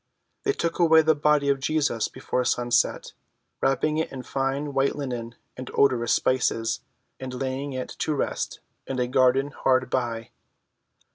They took away the body of Jesus before sunset, wrapping it in fine white linen and odorous spices, and laying it to rest in a garden hard by.